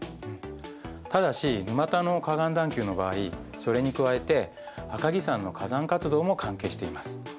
ただし沼田の河岸段丘の場合それに加えて赤城山の火山活動も関係しています。